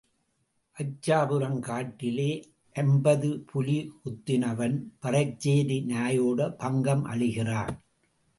ஆச்சாபுரம் காட்டிலே ஐம்பது புலி குத்தினவன் பறைச்சேரி நாயோடே பங்கம் அழிகிறான்.